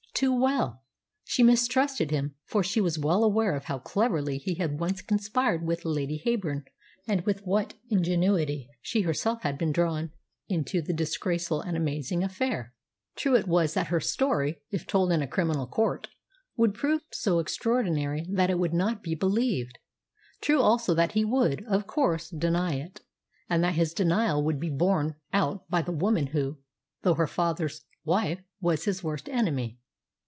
too well. She mistrusted him, for she was well aware of how cleverly he had once conspired with Lady Heyburn, and with what ingenuity she herself had been drawn into the disgraceful and amazing affair. True it was that her story, if told in a criminal court, would prove so extraordinary that it would not be believed; true also that he would, of course, deny it, and that his denial would be borne out by the woman who, though her father's wife, was his worst enemy.